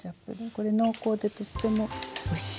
これ濃厚でとってもおいしいですよね。